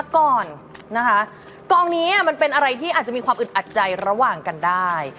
ก่อนนะคะกองนี้มันเป็นอะไรที่อาจจะมีความอึดอัดใจระหว่างกันได้